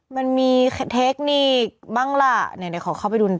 มันมีเทคนิคบ้างล่ะไหนเดี๋ยวขอเข้าไปดู